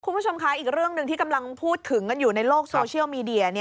คุณผู้ชมคะอีกเรื่องหนึ่งที่กำลังพูดถึงกันอยู่ในโลกโซเชียลมีเดีย